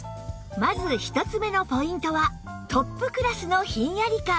まず１つ目のポイントはトップクラスのひんやり感